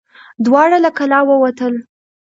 دواړه له کلا ووتل.